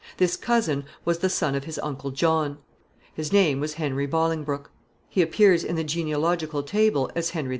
This cousin was the son of his uncle John. His name was Henry Bolingbroke. He appears in the genealogical table as Henry IV.